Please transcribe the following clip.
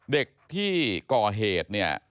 เด็กที่ก่อเหตุเนี่ย